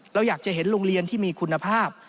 เราอยากจะเห็นโรงเรียนที่มีคุณภาพ